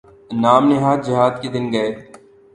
نام نہاد جہاد کے دن گئے۔